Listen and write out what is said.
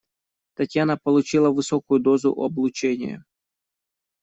Татьяна получила высокую дозу облучения.